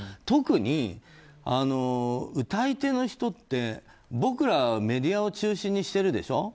特に歌い手の人って、僕らはメディアを中心にしてるでしょ。